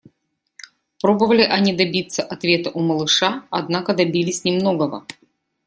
Пробовали они добиться ответа у малыша, однако добились немногого.